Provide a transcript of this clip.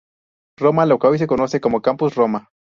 Roma, lo que hoy se conoce como Campus Roma.